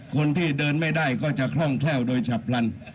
คนที่เดินไม่ได้ก็จะคล่องแคล่วโดยฉับพลัน